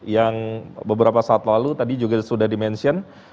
yang beberapa saat lalu tadi juga sudah di mention